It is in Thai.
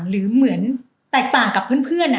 หรือเหมือนแตกต่างกับเพื่อน